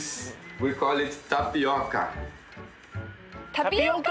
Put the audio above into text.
タピオカ！？